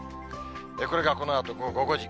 これがこのあと午後５時。